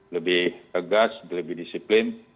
lebih tegas lebih disiplin